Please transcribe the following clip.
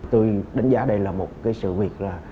tôi đánh giá đây là một sự việc